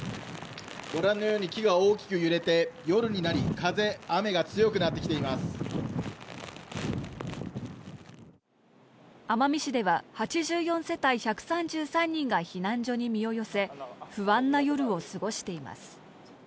ご覧のように木が大きく揺れて、夜になり、風、雨が強くなってき奄美市では、８４世帯１３３人が避難所に身を寄せ、不安な夜を過ごしています。